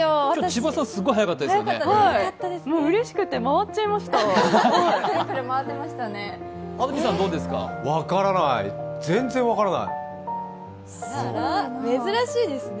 千葉さん、すごく早かったですよね。